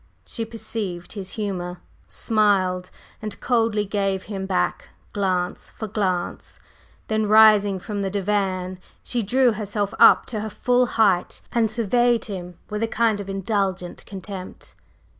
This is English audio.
She perceived his humor, smiled, and coldly gave him back glance for glance. Then, rising from the divan, she drew herself up to her full height and surveyed him with a kind of indulgent contempt.